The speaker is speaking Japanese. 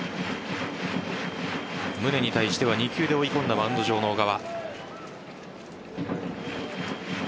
宗に対しては２球で追い込んだマウンド上の小川。